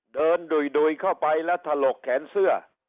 ดุยเข้าไปแล้วถลกแขนเสื้อ